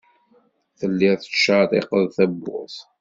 Telliḍ tettcerriqeḍ tawwurt.